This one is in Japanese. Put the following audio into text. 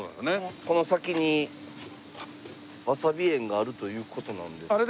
この先にわさび園があるという事なんですが。